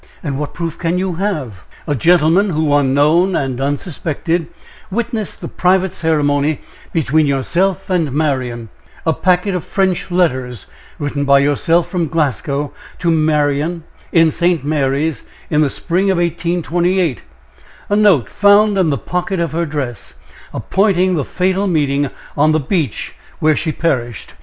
"And what proof can you have?" "A gentleman who, unknown and unsuspected, witnessed the private ceremony between yourself and Marian; a packet of French letters, written by yourself from Glasgow, to Marian, in St. Mary's, in the spring of 1823; a note found in the pocket of her dress, appointing the fatal meeting on the beach where she perished.